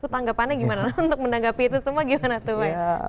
tanggapannya gimana untuk menanggapi itu semua gimana tuh way